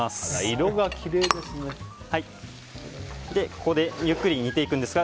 色がきれいですね。